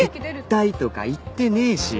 絶対とか言ってねえし。